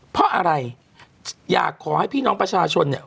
เพราะอะไรอยากขอให้พี่น้องประชาชนเนี่ย